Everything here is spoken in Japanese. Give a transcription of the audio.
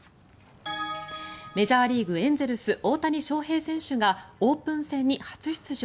メジャーリーグエンゼルス、大谷翔平選手がオープン戦に初出場。